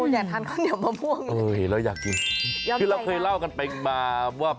อยากทานข้าวเหนียวมะม่วงเออเห็นแล้วอยากกินคือเราเคยเล่ากันไปมาว่า